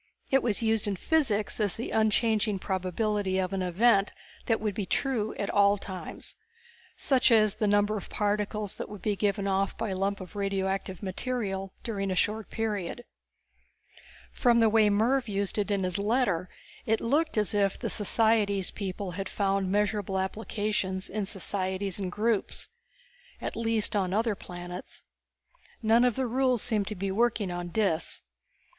It was used in physics as the unchanging probability of an event that would be true at all times. Such as the numbers of particles that would be given off by a lump of radioactive matter during a short period. From the way Mervv used it in his letter it looked as if the societics people had found measurable applications in societies and groups. At least on other planets. None of the rules seemed to be working on Dis.